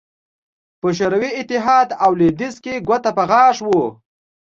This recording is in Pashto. په شوروي اتحاد او لوېدیځ کې ګوته په غاښ وو